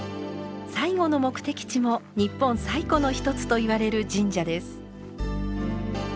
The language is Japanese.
最後の目的地も日本最古の一つといわれる神社です。